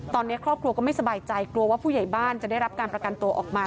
ตอนนี้ครอบครัวก็ไม่สบายใจกลัวว่าผู้ใหญ่บ้านจะได้รับการประกันตัวออกมา